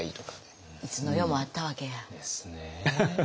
いつの世もあったわけや。